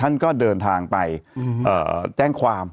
ท่านก็เดินทางไปแจ้งความ